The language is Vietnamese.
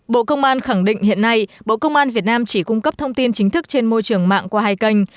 bộ công an khẳng định hiện nay bộ công an việt nam chỉ cung cấp thông tin chính thức trên môi trường mạng qua hai kênh